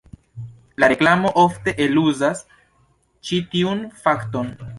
La reklamo ofte eluzas ĉi tiun fakton.